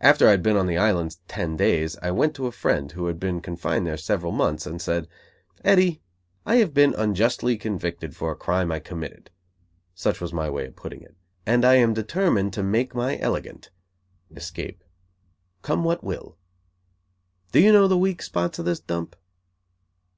After I had been on the Island ten days I went to a friend, who had been confined there several months and said: "Eddy, I have been unjustly convicted for a crime I committed such was my way of putting it and I am determined to make my elegant, (escape) come what will. Do you know the weak spots of this dump?"